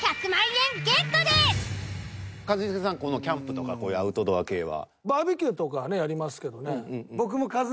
一茂さんキャンプとかこういうアウトドア系は？